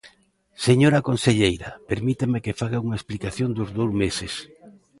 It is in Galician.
Señora conselleira, permítame que faga unha explicación dos dous meses.